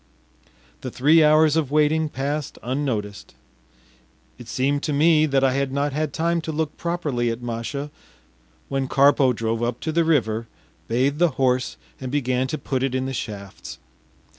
The three hours of waiting passed unnoticed. It seemed to me that I had not had time to look properly at Masha when Karpo drove up to the river, bathed the horse, and began to put it in the shafts.